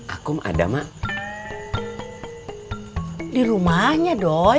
akum ada mak di rumahnya doi